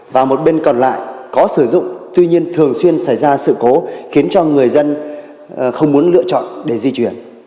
và một bên còn lại có sử dụng tuy nhiên thường xuyên xảy ra sự cố khiến cho người dân không muốn lựa chọn để di chuyển